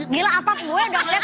gila atap gue udah ngelihat